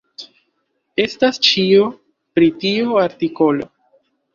Estas ĉio pri tiu artikolo.